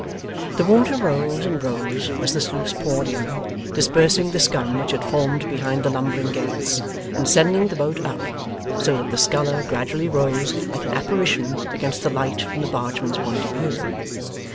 The water rose and rose as the sluice poured in, dispersing the scum which had formed behind the lumbering gates, and sending the boat up, so that the sculler gradually rose like an apparition against the light from the bargeman's point of view.